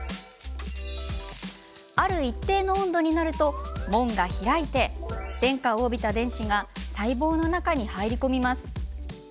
ある一定の温度になると門が開いて電荷を帯びた原子が細胞の中に入り込みます。